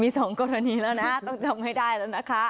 มี๒กรณีแล้วนะต้องจำให้ได้แล้วนะคะ